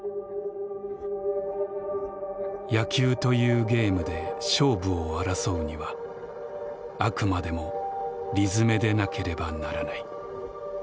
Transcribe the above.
「野球というゲームで勝負を争うにはあくまでも理づめでなければならない」。